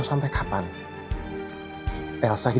lo sampai kapan elsa hidup seperti ini